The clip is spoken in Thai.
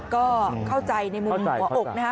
ก็เข้าใจในมุมหัวอกนะฮะ